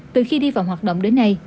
từ khi đi vào hoạt động đến nay